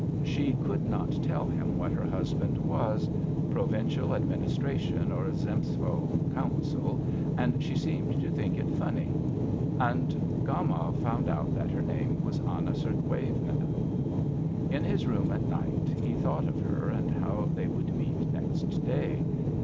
She could not tell him what her husband was Provincial Administration or Zemstvo Council and she seemed to think it funny. And Gomov found out that her name was Anna Sergueyevna. In his room at night, he thought of her and how they would meet next day.